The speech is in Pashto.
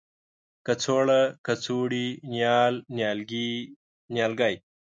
کڅوړه ، کڅوړې ،نیال، نيالګي، نیالګی